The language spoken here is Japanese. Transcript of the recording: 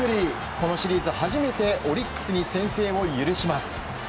このシリーズ初めてオリックスに先制を許します。